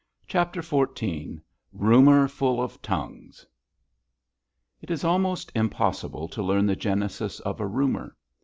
CHAPTER XIV 'RUMOUR FULL OF TONGUES' It is almost impossible to learn the genesis of a rumour.